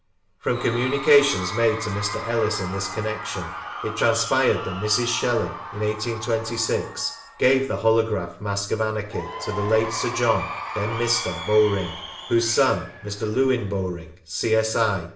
From communications made to Mr. Ellis in this connexion it transpired that Mrs. Shelley, in 1826, gave the holograph Mask of Anarchy to the late Sir John (then Mr.) Bowring, whose son, Mr. Lewin Bowring, C.S.I.